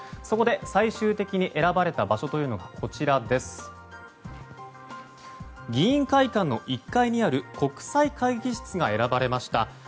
そこで最終的に選ばれた場所として議員会館の１階にある国際会議室が選ばれました。